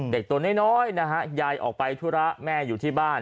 เด็กตัวน้อยยายออกไปธุระแม่อยู่ที่บ้าน